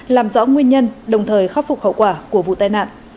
làm rõ nguyên nhân đồng thời khắc phục hậu quả của vụ tai nạn